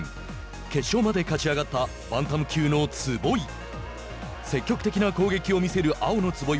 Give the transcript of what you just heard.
決勝まで勝ち上がったバンタム級の坪井。